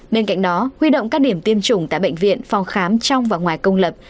bên cạnh đó huy động các điểm tiêm chủng tại bệnh viện phòng khám trong và ngoài công lập